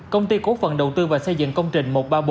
công ty cổ phần đầu tư và xây dựng công trình một trăm ba mươi bốn